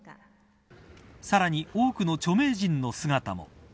さらに多くの著名人の姿も。